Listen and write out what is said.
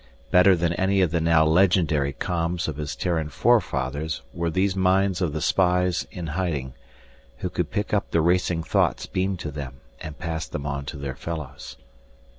Better than any of the now legendary coms of his Terran forefathers were these minds of the spies in hiding, who could pick up the racing thoughts beamed to them and pass them on to their fellows.